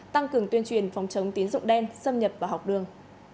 tăng cường tuyên truyền phòng chống tín dụng đen xâm nhập vào học đường